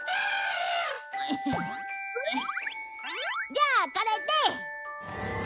じゃあこれで！